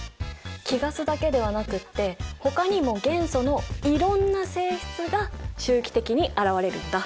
貴ガスだけではなくってほかにも元素のいろんな性質が周期的に現れるんだ。